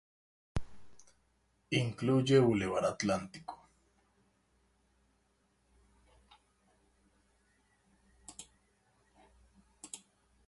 Incluye Boulevard Atlántico.